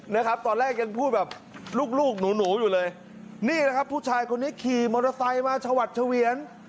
นะครับตอนแรกยังพูดแบบลูกลูกหนูหนูอยู่เลยนี่แหละครับผู้ชายคนนี้ขี่มอเตอร์ไซค์มาชวัดเฉวียน